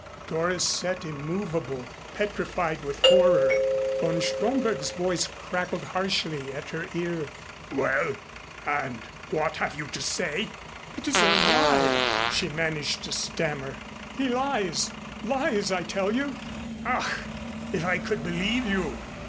Doris sat immovable, petrified with horror. Von Stromberg's voice crackled harshly at her ear. "Well? And what have you to say?" "It is a lie!" she managed to stammer. "He lies lies, I tell you!" "Ach! If I could believe you!